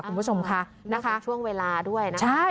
คุณผู้ชมค่ะนะคะช่วงเวลาด้วยนะคะ